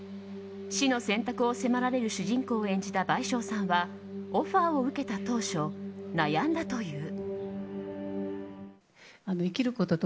死の選択を迫られる主人公を演じた倍賞さんはオファーを受けた当初悩んだという。